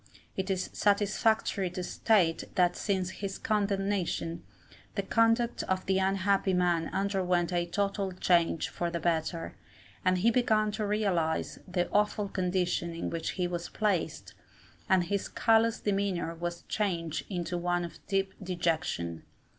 It is satisfactory to state that since his condemnation, the conduct of the unhappy man underwent a total change for the better, and he began to realize the awful condition in which he was placed, and his callous demeanour was changed into one of deep dejection.